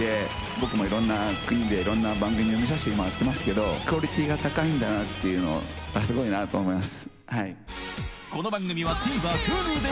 僕もいろんな国でいろんな番組見させてもらってますけどクオリティーが高いんだなっていうのすごいなと思います。